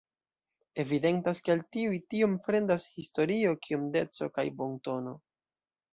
Evidentas, ke al tiuj tiom fremdas historio kiom deco kaj bontono.